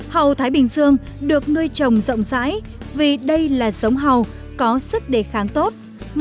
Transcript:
hầu thái bình dương được nuôi trồng rộng rãi vì đây là giống hầu có sức đề kháng tốt